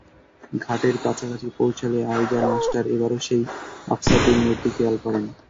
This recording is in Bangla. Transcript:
ঘাটের কাছাকাছি পৌঁছালে আইজার মাস্টার এবারও সেই আবছা তিন মূর্তি খেয়াল করেন।